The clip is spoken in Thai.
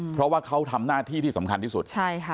เพราะว่าเขาทำหน้าที่ที่สำคัญที่สุด